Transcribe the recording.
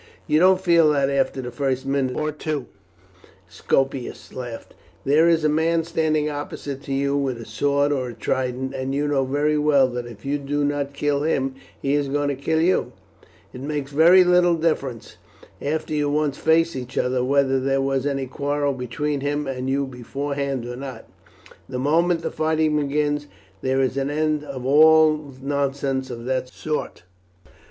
"You don't feel that after the first minute or two," Scopus laughed. "There is a man standing opposite to you with a sword or a trident, and you know very well that if you do not kill him, he is going to kill you. It makes very little difference, after you once face each other, whether there was any quarrel between him and you beforehand or not; the moment the fighting begins, there is an end of all nonsense of that sort.